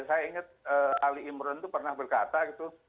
saya ingat ali imron itu pernah berkata gitu